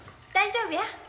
大丈夫や。